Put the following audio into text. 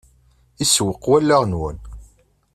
Isewweq wallaɣ-nwen.